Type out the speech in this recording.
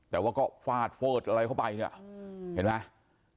แต่ว่าก็ฟาดเฟิดอะไรเข้าไปเนี่ยเห็นไหม